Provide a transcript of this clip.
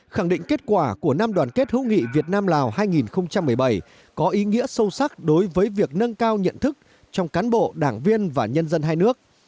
khẳng định kết quả của năm đoàn kết hữu nghị việt nam lào hai nghìn một mươi bảy có ý nghĩa sâu sắc đối với việc nâng cao nhận thức trong cán bộ đảng viên và nhân dân hai nước